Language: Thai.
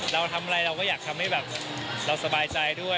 เราทำอะไรเราก็อยากทำให้แบบเราสบายใจด้วย